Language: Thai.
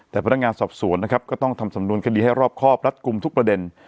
แต่พนักงานสอบสวนนะครับก็ต้องทำสำนวนคดีให้รอบครอบรัดกลุ่มทุกประเด็น